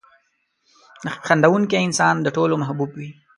• خندېدونکی انسان د ټولو محبوب وي.